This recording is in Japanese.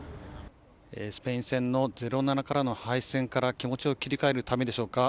スペイン戦の０ー７からの敗戦から気持ちを切り替えるためでしょうか。